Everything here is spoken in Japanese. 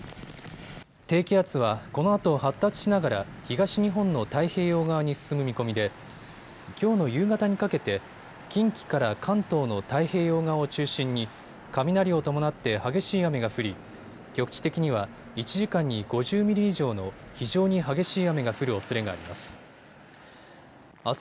低気圧は、このあと発達しながら東日本の太平洋側に進む見込みできょうの夕方にかけて近畿から関東の太平洋側を中心に雷を伴って激しい雨が降り局地的には１時間に５０ミリ以上の非常に激しい雨が降るおそれがあります。